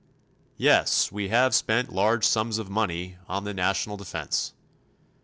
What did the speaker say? Yes, we have spent large sums of money on the national defense.